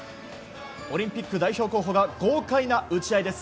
オリンピック代表候補が豪快な打ち合いです。